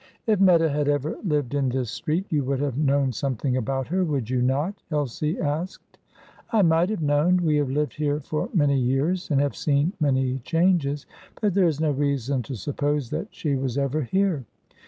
"If Meta had ever lived in this street you would have known something about her, would you not?" Elsie asked. "I might have known. We have lived here for many years, and have seen many changes. But there is no reason to suppose that she was ever here.